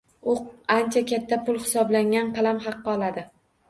U ancha katta pul hisoblangan qalam haqi oladi.